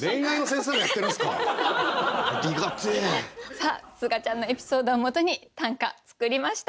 さあすがちゃんのエピソードをもとに短歌作りました。